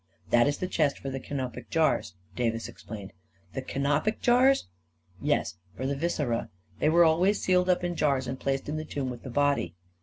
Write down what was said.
" That is the chest for the canopic jars," Davis ex plained. 11 The canopic jars? " "Yes — for the viscera. They were always sealed up in jars and placed in the tomb with the body.